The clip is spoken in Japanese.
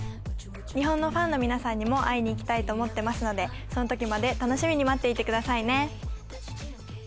日本のファンの皆さんにも会いに行きたいと思ってますのでその時まで楽しみに待っていてくださいね。